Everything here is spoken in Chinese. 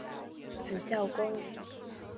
字孝公。